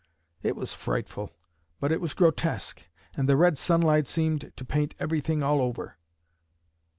It was frightful, but it was grotesque, and the red sunlight seemed to paint everything all over."